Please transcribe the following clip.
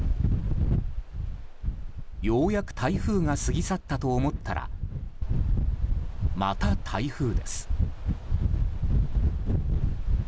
ようやく台風が過ぎ去ったと思ったらまた台風です。